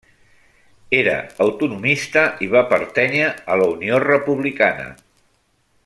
Era autonomista, i va pertànyer a la Unió Republicana.